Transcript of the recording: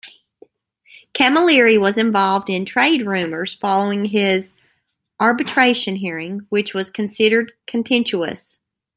Cammalleri was involved in trade rumours following his arbitration hearing, which was considered contentious.